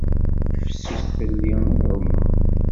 Fessus fell-i ad ɛumeɣ.